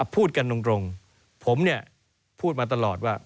พูดกันตรงผมเนี่ยพูดมาตลอดว่า